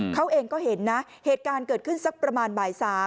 เขาเองก็เห็นนะเหตุการณ์เกิดขึ้นสักประมาณบ่าย๓